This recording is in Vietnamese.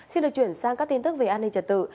xin được chuyển sang các tin tức về an ninh trật tự